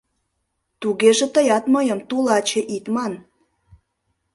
— Тугеже тыят мыйым «тулаче» ит ман.